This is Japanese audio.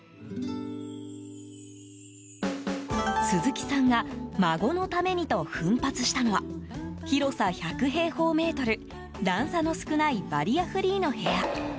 鈴木さんが孫のためにと奮発したのは広さ１００平方メートル段差の少ないバリアフリーの部屋。